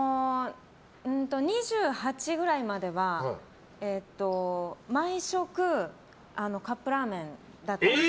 ２８ぐらいまでは毎食カップラーメンだったんです。